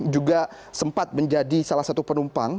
juga sempat menjadi salah satu penumpang